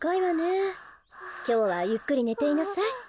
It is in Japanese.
きょうはゆっくりねていなさい。